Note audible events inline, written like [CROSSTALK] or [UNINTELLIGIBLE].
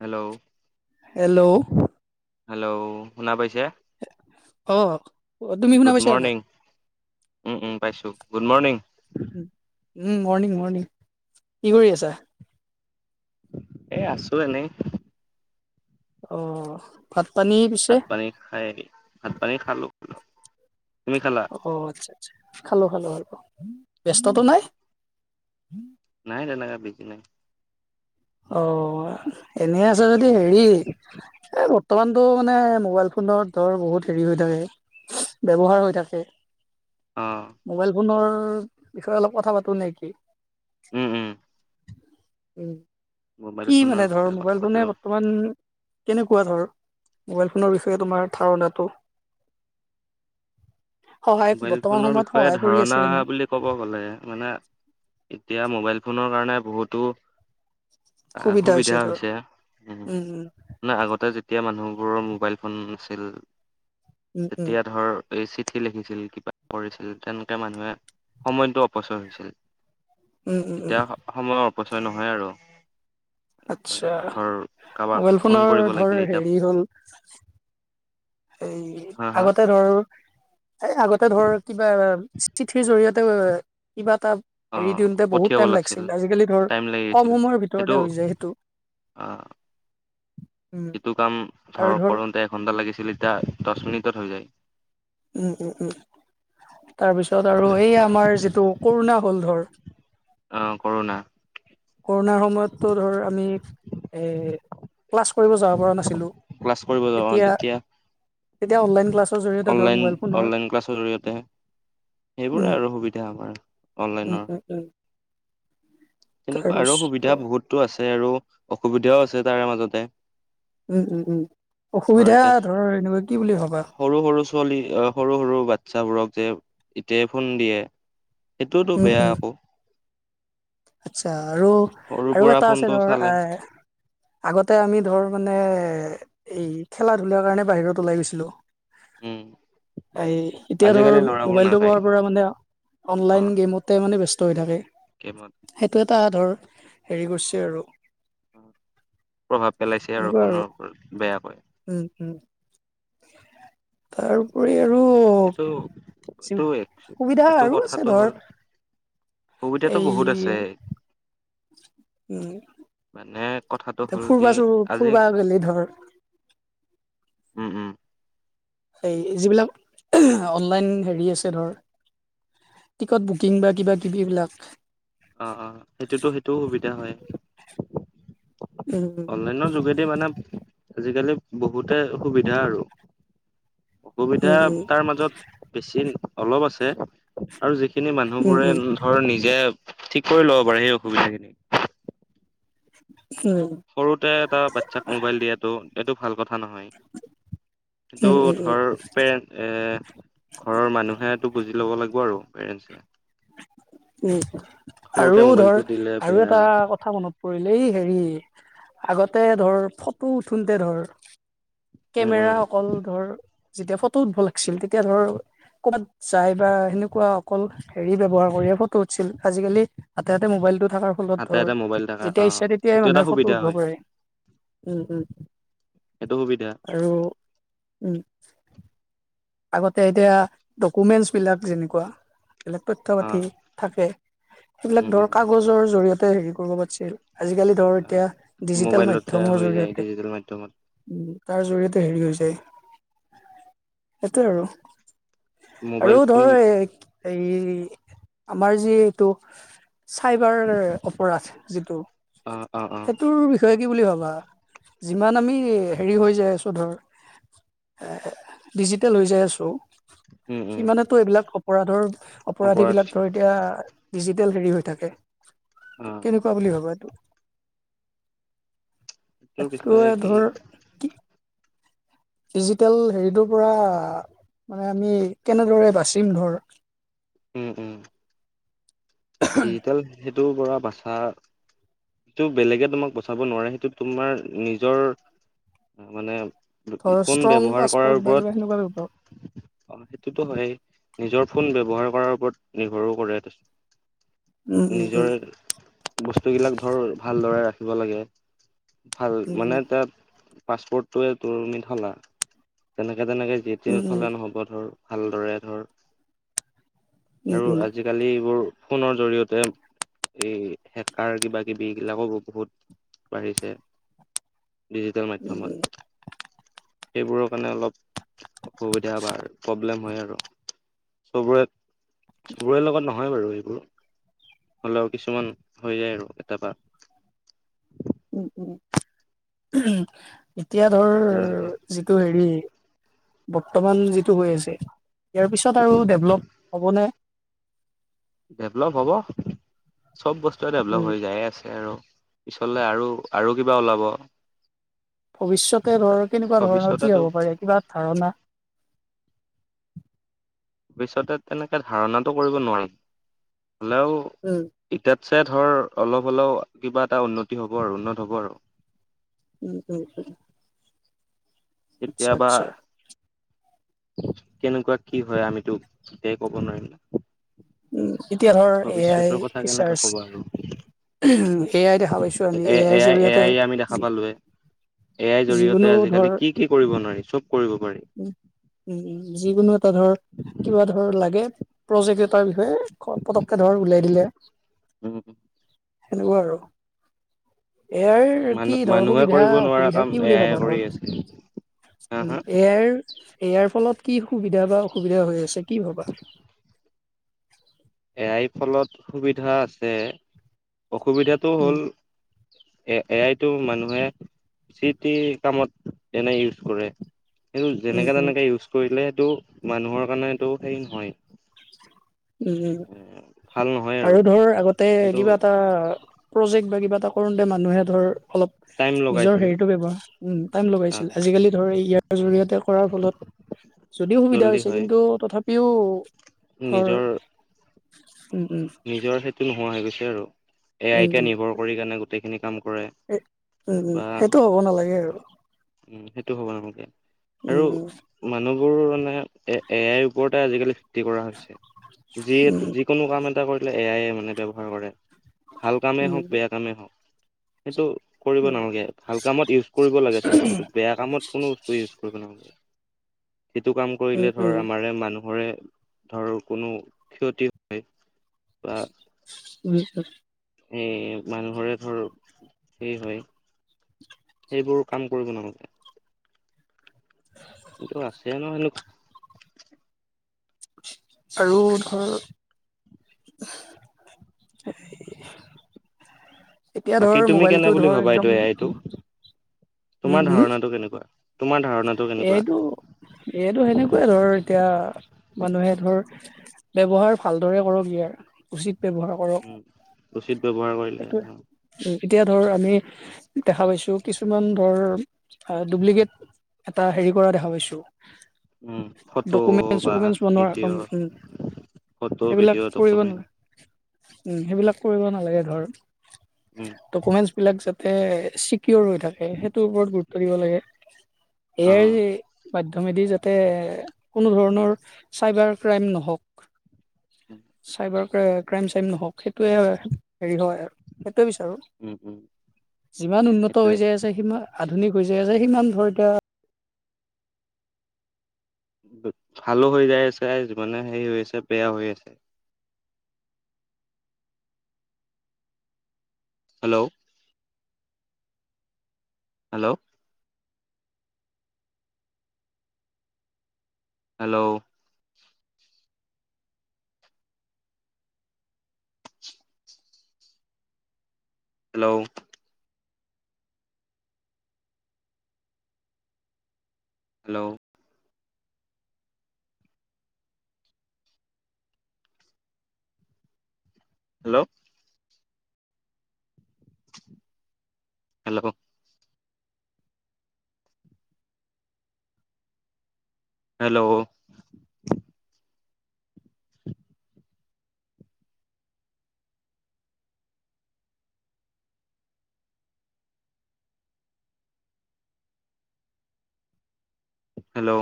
Hello. Hello. Hello শুনা পাইছে অ তুমি শুনা গুড পাইছা নাই মৰ্ণিং। উম উম পাইছো গুড মৰ্ণিং। উ উম মৰ্ণিং মৰ্ণিং কি কৰি আছা? এ আছো এনেই। অ অ ফাত- ভাত পানী খাই আহি ভাত পানী খালো ল- অ আচ্ছা আচ্ছা খালো খালো আলো। ব্যস্ততটো নাই। নাই তেনেকা বিজি নাই। অ, এনেই আছে যদি হেৰি এ বৰ্তমানটো মানে মোবাইল ফোনত ধৰ বহুত হেৰি হৈ থাকে। ব্যৱহাৰ হৈ থাকে। অ', মোবাইল ফোনৰ বিষয়ে অলপ কথা পাতো নে কি? উম, উম। উম, মোবাইল কি ফোনৰ মানে ধৰ বিষয়ে কথা মোবাইল পাতিব ফোনে বৰ্তমান কেনেকুৱা ধৰ মোবাইল ফোনৰ বিষয়ে তোমাৰ ধাৰণাটো? সহায় মোবাইল বৰ্তমান ফোনৰ সময়ত বিষয়ে সহায় কৰি ধাৰণা আছে নে নাই বুলি ক'ব গ'লে মানে এতিয়া মোবাইল ফোনৰ কাৰণে বহুতো আহ সুবিধা হৈছে। উম উম না আগতে যেতিয়া মানুহ বোৰৰ মোবাইল ফোন নাছিল। উম, উম, তেতিয়া ধৰ এই চিঠি লিখিছি ছিল, কিবা কৰিছিল। তেনেকে মানুহে সময়টো অপচয় হৈছিল। উম, উম, উম, এতিয়া সময়ৰ অপচয় নহয় আৰু। আচ্ছা ধৰ কাৰোবাক মোবাইল ফোন ফোনৰ কৰিব ধৰ লাগিলে এতিয়া হেৰি হ'ল এই হা হা আগতে ধৰ এ আগত ধৰ কিবা চি চিঠিৰ জৰিয়তে কিবা তা অ এৰি দিওঁতে বহুত পঠিয়াব টাইম লাগিছিল লাগছিল। আজিকালি ধৰ টাইম কম সময়ৰ ভিতৰতে হৈ যায় সেইটো। অ, উম, এইটো কাম ধৰ কৰোনতে এঘন্টা লাগিছিলে। ইতা দছ মিনিটত হৈ যায়। উম, উম, উম। তাৰপিছত আৰু এই আমাৰ যিটো কৰুণা হ'ল ধৰ। অ কৰোনা। কৰোণাৰ সময়তো ধৰ আমি এ ক্লাছ কৰিব যাব পৰা নাছিলোঁ। ক্লাছ কৰিব যাওঁ এতিয়া, তেতিয়া এতিয়া অনলাইন ক্লাছ অনলাইন অনলাইন ক্লাছৰ জৰিয়তে সেইবোৰে উম, আৰু সুবিধা আমাৰ উম, অনলাইনৰ। উম, উম, তেনেকুৱা আৰু তাৰপিছত সুবিধা বহুতো আছে আৰু অসুবিধাও আছে তাৰে মাজতে। উম উম উম ধৰ অসুবিধা এতিয়া ধৰ এনেকুৱা কি বুলি ভাবা? সৰু সৰু ছোৱালী সৰু সৰু বাচ্ছাবোৰক যে এতিয়াই ফোন দিয়ে সেইটোওতো উম, বেয়া উম, আকৌ। আচ্ছা আৰু সৰুৰ আৰু পৰা এটা আছে ফোনটো ধৰ চালে এ আগতে আমি ধৰ মানে এই খেলা-ধূলাৰ কাৰণে বাহিৰত ওলাই গৈছিলোঁ। উম [INAUDIBLE] এই এতিয়া ধৰ আজিকালি ল'ৰাবোৰ মোবাইলটো নাযায় পোৱাৰ পৰা মানে অ অনলাইন গেমতে মানে বেছ হৈ থাকে। গেমত। সেইটো এটা ধৰ হেৰি গছে আৰু। প্ৰভাৱ পেলাইছে আৰু ফোনৰ ওপৰত বেয়াকৈ। তাৰ উপৰি আৰু এইটো এইটো সুবিধা এইটো আৰু আছে কথাটো হ'ল ধৰ। সুবিধাটো এই বহুত আছে। উম। মানে কথাটো এতিয়া হ'ল কি ফুৰবা চুৰব আজি ফুৰবা গেলি ধৰ উম, উম। এই যিবিলাক অনলাইন হেৰি আছে ধৰ। টিকট বুকিং বা কিবা কিবিবিলাক। অ, অ। সেইটোতো সেইটোও সুবিধা হয়। উম অনলাইনৰ যোগেদি মানে আজিকালি বহুতে সুবিধা আৰু। অসুবিধা উম উম তাৰ মাজত বেছি অলপ আছে আৰু য সেই খিনি উম মানুহবোৰে উম ধৰ নিজে ঠিক কৰি ল'ব পাৰে। সেই অসুবিধা খিনি। উম সৰুতে এটা বাচ্ছাক মোবাইল দিয়াতটো এইটো ভাল কথা নহয়। কিটো উম উম উম ধৰ পেৰেণ্ট এ ঘৰৰ মানুহেটো বুজি ল'ব লাগিব আৰু। পেৰেনছে। [INAUDIBLE] উম সৰুতে আৰু ধৰ মোবাইলটো দিলে আৰু বেয়া এটা কথা মনত পৰিলে এই হেৰি আগতে ধৰ ফটো উঠোতে ধৰ। উম কেমেৰা উম অকল ধৰ যেতিয়া ফটো উঠিব লাগিছিল। তেতিয়া ধৰ। ক'ৰবাত যাই বা সেনেকুৱা অকল হেৰি ব্যৱহাৰ কৰিছিল ফটো উঠিছিল আজিকালি হাতে মোবাইল টো থকাৰ ফলত হাতে ধৰ হাতে মোবাইল থকা অ যেতিয়া ইচ্ছা সেইটো তেতিয়াই এটা মানুহে সুবিধা ফটো উঠব হয়। পাৰে। উম উম সেইটো সুবিধা আৰু উম। আগতে এতিয়া ডকুমেন্টচ বিলাক যেনেকুৱা। এইবিলাক তথ্য অ পাতি থাকে সেইবিলাক উম ধৰ উম কাগজৰ জৰিয়তে হেৰি কৰিব পাৰিছিল। আজিকালি ধৰ অ এতিয়া ডিজিটেল মোবাইলতে মাধ্যমৰ হৈ যায় জৰিয়তে ডিজিটেল মাধ্যমত তাৰ জৰিয়তে হেৰি হৈছে সেটোৱে আৰু আৰু মোবাইল ফোন ধৰ এ এই আমাৰ যি এইটো চাইবাৰ অপৰাধ যিটো অ অ অ সেইটোৰ বিষয়ে। কি বুলি ভাবা যিমান আমি হেৰি হৈ যায়। আছো ধৰ এ ডিজিটেল হৈ যায় আছো উম উম সিমানেতো এইবিলাক অপৰাধৰ অপৰাধী অপৰাধ বিলাক ধৰ এতিয়া ডিজিটেল হেৰি হৈ থাকে। অ কেনেকুৱা বুলি ভাবা এইটো। এইটোৰ এইটো বিষয়ে কি ধৰ কি ডিজিটেল হেৰিটোৰ পৰা। মানে আমি কেনেদৰে বাচিম ধৰ। উম উম ডিজিটেল সেইটোৰ পৰা বাচা যিটো বেলেগে তোমাক বচাব নোৱাৰে সেইটো তোমাৰ নিজৰ মানে ধৰ ফোন ষ্ট্ৰং ব্যৱহাৰ কৰাৰ পাছপৰ্ট বা কিবা ওপৰত সেনেকুৱা ধৰ অ সেইটোতো হয় নিজৰ ফোন ব্যৱহাৰ কৰাৰ ওপৰত নিৰ্ভৰো কৰে। উম উম উম নিজৰ বস্তুবিলাক ধৰ ভালদৰে ৰাখিব লাগে। ভাল মানে উম তাত পাছপৰ্টয়ে তুমি ধৰা তেনে একে তেনেকে জি তি উম উম নথলে উম নহ'ব ধৰ ভালদৰে ধৰ উম আৰু আজিকালি এইবোৰ ফোনৰ জৰিয়তে- এই সেকাৰ কিবা কিবি এইগিলাকো বহুত বাঢ়িছে। ডিজিটেল মাধ্যয়মত সেইবোৰৰ কাৰণে অলপ অসুবিধা বা প্ৰব্লেম হয় আৰু চবৰে চবৰে লগত নহয়। নহয় বাৰু এইবোৰ হলেও কিছুমান হৈ যায় আৰু কেতিয়াবা। উম উম উম এতিয়া ধৰ তেনেকে যিটো হেৰি বৰ্তমান যিটো হৈ আছে। ইয়াৰ পিছত আৰু ডেভলপ হ'বনে- ডেভলপ হ'ব চব বস্তুৱে ডেভলপ উম হৈ যায় আছে। আৰু পিছলে আৰু আৰু কিবা ওলাব। ভৱিষ্যতে ধৰ কেনেকুৱা ধৰণৰ কি ভৱিষ্যতেতো হ'ব পাৰে কিবা ধাৰণা ভৱিষ্যতে তেনেকে ধাৰণটো কৰিব নোৱাৰিম হলেও উম এতিয়া। ছে ধৰ অলপ হ'লেও কিবা এটা উন্নতি হ'ব আৰু উন্নত হ'ব আৰু উমম আচ্ছা কেতিয়াবা আচ্ছা কেনেকুৱা কি হয় আমিতো তেতিয়াই কব নোৱাৰিম না এতিয়া ধৰ এ আই কেনেকে ক'ব আৰু ফিচাৰ্ছ এ আই দেখা পাইছো আমি এ আইৰ আই জৰিয়তে আমি দেখা পালোৱে এ আই যিকোনো জৰিয়তে ধৰ আজিকালি কি কি কৰিব নোৱাৰি চব কৰিব পাৰি। উ উম যিকোনো এটা ধৰ কিবা ধৰ লাগে প্ৰজেক্ট এটাৰ বিষয়ে পতককে ধৰ উলিয়াই দিলে উম সেনেকুৱা আৰু ইয়াৰ কি মানুহ ধৰ মানুহে সুবিধা কৰিব নোৱাৰা অসুবিধা কাম কি এ বুলি আই ভাবা ধৰ কৰি আছে হা হা এয়াৰ ইয়াৰ ফলত কি সুবিধা বা অসুবিধা হৈ আছে কি ভবা। এ আই ফলত সুবিধা আছে অসুবিধাটো উম হ'ল এ এ আইটো মানুহে যিটি কামত এনে ইউজ কৰে সেইটো উম যেনেকে উম তেনেকে ইউজ কৰিলে সেইটো মানুহৰ কাৰণে এইটো হেৰি নহয় উম ভাল নহয় আৰু আৰু ধৰ আগতে কিন্তু কিবা এটা প্ৰজেক্ট বা কিবা এটা কৰোতে মানুহে ধৰ অলপ টাইম নিজৰ লগাইছিল হেৰিতটো ব্যৱহাৰ উ টাইম লগাইছিল আহ আজিকালি ধৰ ইয়াৰ জৰিয়তে কৰাৰ ফলত যদিও সুবিধা জল্দি হৈছে হয় কিন্তু তথাপিও ধৰ নিজৰ উম উম নিজৰ সেইটো নোহোৱা হৈ গৈছে আৰু এ উম আই কে উম নিৰ্ভৰ কৰি কাৰণে গোটেইখিনি কাম কৰে এ উম উম বা সেইটো হ'ব নালাগে আৰু সেইটো হ'ব নালাগে। উম মোৰ মানে এ এ আইৰ ওপৰতে আজিকালি খেতি কৰা হৈছে উম যিকোনো কাম এ টা কৰিলে এয়াই মানে ব্যৱহাৰ কৰে ভাল কামেই উম হওক বেয়া কামেই হওক সেইটো কৰিব উম নালাগে ভাল কামত ইউজ কৰিব লাগে চব বস্তু বেয়া কামত কোনো বস্তু ইউজ কৰিব নালাগে। সেইটো কাম উম কৰিলে উম ধৰ আমাৰে মানুহৰে ধৰ কোনো ক্ষতি হয়। উ এ মানুহৰে ধৰ সেই হয়। সেইবোৰো কাম কৰিব নালাগে। কিন্তু আছে ন এনে আৰু ধৰ [UNINTELLIGIBLE] এতিয়া বাকী ধৰ তুমি কেনে মোবাইলটো বুলি ধৰ ভাবা একদম এইটো এ আইটো উম তোমাৰ হম ধাৰণাটো কেনেকুৱা? তোমাৰ ধাৰণাটো কেনেকুৱা? এইটো এইটো সেনেকুৱাই ধৰ এতিয়া মানুহে ধৰ ব্যৱহাৰ ভালদৰে কৰক ইয়াৰ উচিত ব্যৱহাৰ কৰক উম উচিত ব্যৱহাৰ কৰিলে সেইটোৱে এতিয়া ধৰ আমি দেখা পাইছো কিছুমান ধৰ ডপ্লিকেট এটা হেৰি কৰা দেখা পাইছো উম, ফটো ডকুমেন্ট বা চকুমেন্ট বনোৱা উম ভিডিঅ' ফটো সেইবিলাক ভিডিঅ' কৰিব ডকুমেণ্ট নোৱাৰে উম সেইবিলাক কৰিব নালাগে ধৰ উম ডকুমেন্ট বিলাক যাতে চিকিৰ হৈ থাকে সেইটোৰ ওপৰত গুৰুত্ব দিব লাগে অ হে যে মাধ্যমেদি যাতে কোনো ধৰণৰ চাইবাৰ ক্ৰাইম নহওক উম চাইবাৰ ক্ৰাইম চাইম নহওক সেইটোয়ে হেৰি হয় আৰু সেইটোৱে উম উম, যিমান উন্নত হৈ সেইটোৱে যায় আছে ধুনী কৰিছে যে সিমান ধৰ এতিয়া ভালো হৈ যাই আছে মানে হেৰি হৈ আছে বেয়া হৈ আছে hello hello hello hello hello hello হেলেক হেল্ল' হেল্ল'